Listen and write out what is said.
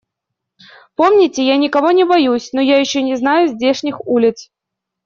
Помните, я никого не боюсь, но я еще не знаю здешних улиц.